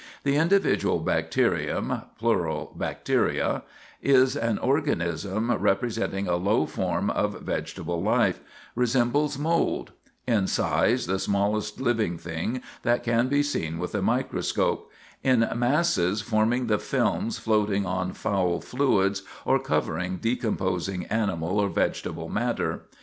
The individual bacterium (plural, bacteria) is an organism representing a low form of vegetable life; resembles mold; in size the smallest living thing that can be seen with the microscope; in masses forming the films floating on foul fluids or covering decomposing animal or vegetable matter.